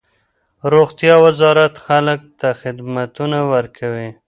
روغتیا وزارت خلک ته خدمتونه ورکوي.